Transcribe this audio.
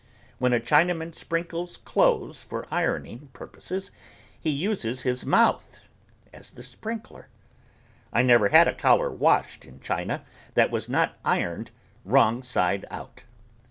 When a Chinaman sprinkles clothes for ironing purposes he uses his mouth as the sprinkler. I never had a collar washed in China that was not ironed wrong side out.